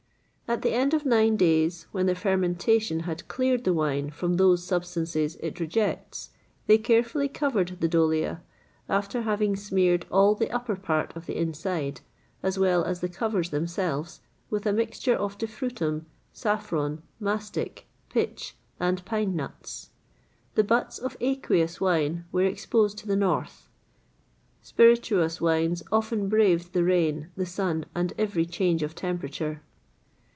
[XXVIII 74] At the end of nine days, when the fermentation had cleared the wine from those substances it rejects, they carefully covered the dolia, after having smeared all the upper part of the inside, as well as the covers themselves, with a mixture of defrutum, saffron, mastic, pitch, and pine nuts.[XXVIII 75] The butts of aqueous wine were exposed to the north; spirituous wines often braved the rain, the sun, and every change of temperature.